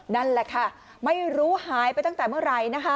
นั่นแหละค่ะไม่รู้หายไปตั้งแต่เมื่อไหร่นะคะ